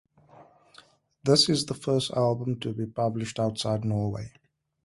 This is the first album to be published outside Norway.